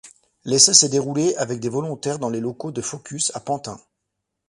L'essai s'est déroulé avec des volontaires dans les locaux de Focus, à Pantin.